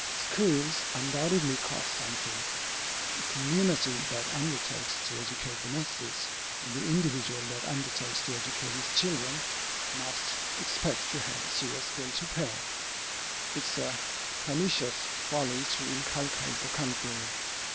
Schools undoubtedly cost something. The community that undertakes to educate the masses, or the individual that undertakes to educate his children, must expect to have a serious bill to pay. It is a pernicious folly to inculcate the contrary.